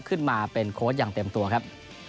ขึ้นมาเป็นโค้ชอย่างเต็มตัวครับ